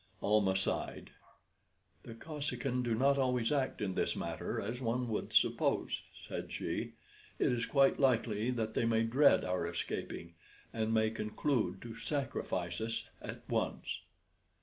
Almah sighed. "The Kosekin do not always act in this matter as one would suppose," said she. "It is quite likely that they may dread our escaping, and may conclude to sacrifice us at once."